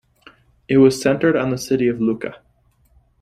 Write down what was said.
It was centered on the city of Lucca.